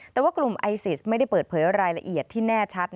แต่ว่ากลุ่มไอซิสไม่ได้เปิดเผยรายละเอียดที่แน่ชัด